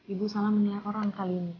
ibu salah mendengar orang kali ini